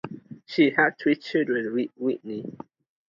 She had three children with Whitney.